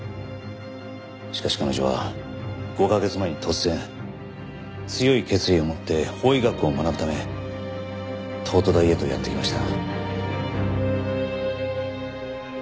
しかし彼女は５カ月前に突然強い決意を持って法医学を学ぶため東都大へとやって来ました。